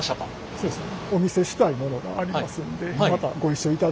そうですね。